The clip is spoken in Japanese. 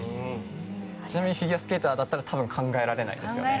ちなみにフィギュアスケーターだったら考えられないですよね。